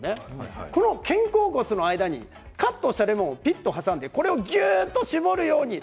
この肩甲骨の間にカットしたレモンをぴっと挟んで、ぎゅっと搾るように。